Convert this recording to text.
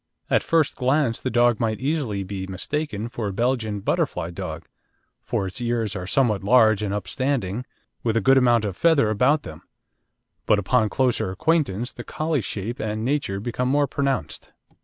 At first glance the dog might easily be mistaken for a Belgian Butterfly dog, for its ears are somewhat large and upstanding, with a good amount of feather about them; but upon closer acquaintance the Collie shape and nature become more pronounced.